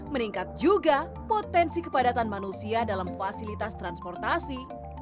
meningkat juga potensi kepadatan manusia dalam fasilitas transportasi